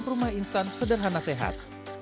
rumah instan sederhana sehat